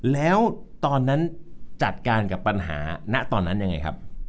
แล้วตอนนั้นจัดการกับปัญหาณตอนนั้นยังไงครับ